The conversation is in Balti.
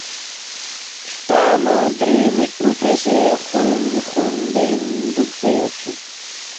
ہلتا نہ درے مِک پو فیسے خُونگ خُونگ بین دُوکسے یودسُوک